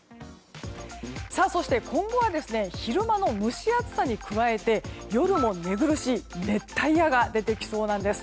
今後は昼間の蒸し暑さに加えて夜も寝苦しい熱帯夜が出てきそうなんです。